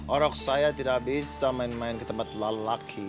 orang saya tidak bisa main main ke tempat lelaki